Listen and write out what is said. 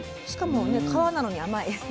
しかもね皮なのに甘い。